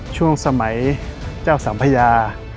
ช่วงสมัยเจ้าสัมพญา